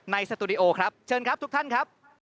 สตูดิโอครับเชิญครับทุกท่านครับ